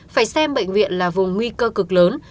phải xem bệnh viện là vùng nguy cơ cực lớn